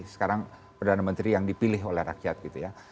sekarang perdana menteri yang dipilih oleh rakyat gitu ya